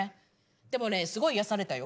でもねすごい癒やされたよ。